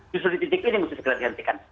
justru di titik ini harus dihentikan